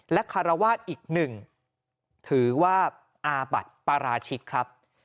และคารวาสอีกหนึ่งถือว่าอาบัติปราชิกครับ